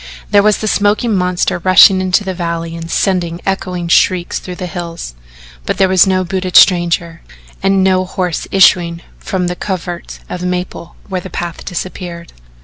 There was the smoking monster rushing into the valley and sending echoing shrieks through the hills but there was no booted stranger and no horse issuing from the covert of maple where the path disappeared.